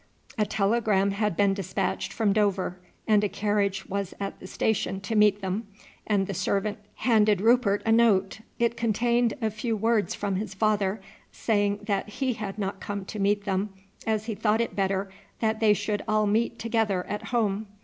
A telegram had been despatched from Dover, and a carriage was at the station to meet them, and the servant handed Rupert a note. It contained a few words from his father, saying that he had not come to meet them, as he thought it better that they should all meet together at home.